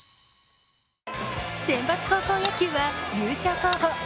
選抜高校野球は優勝候補